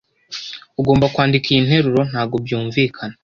Ugomba kwandika iyi nteruro. Ntabwo byumvikana.